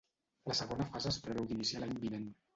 La segona fase es preveu d’iniciar l’any vinent.